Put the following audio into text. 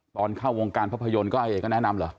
ตอนเข้าวงการภาพยนตร์ก็เอกก็แนะนำเหรอ